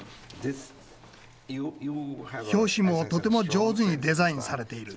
表紙もとても上手にデザインされている。